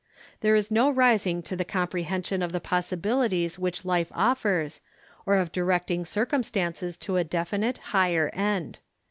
There is no rising to the comprehension of the possibilities which life offers or of directing circum stances to a definite, higher end.